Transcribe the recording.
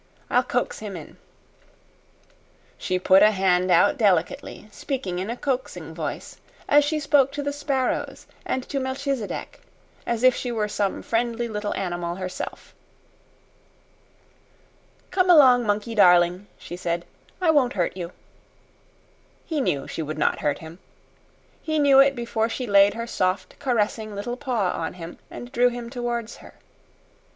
I'll coax him in." She put a hand out delicately, speaking in a coaxing voice as she spoke to the sparrows and to Melchisedec as if she were some friendly little animal herself. "Come along, monkey darling," she said. "I won't hurt you." He knew she would not hurt him. He knew it before she laid her soft, caressing little paw on him and drew him towards her.